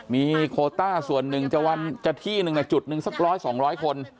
มีโคต้าส่วนนึงจะวันจะที่นึงจุดนึงสักร้อย๒๐๐คน